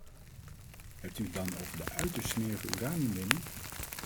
Hebt u het dan over de uiterst smerige uraniumwinning?